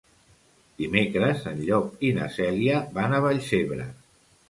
Dimecres en Llop i na Cèlia van a Vallcebre.